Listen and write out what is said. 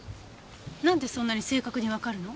なんでそんなに正確にわかるの？